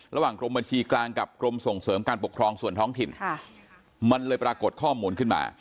ระหว่างกรมบัญชีกลางกับกรมส่งเสริมการปกครองส่วนท้องถิ่นมันเลยปรากฏข้อมูลขึ้นมา